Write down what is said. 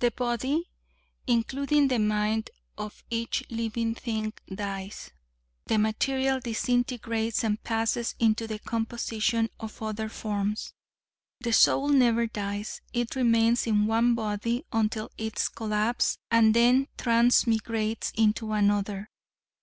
"The body, including the mind, of each living thing dies, the material disintegrates and passes into the composition of other forms. The soul never dies; it remains in one body until its collapse and then transmigrates into another.